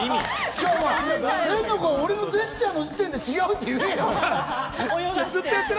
じゃあ、天の声、俺のジェスチャーの時点で違うって言えよ！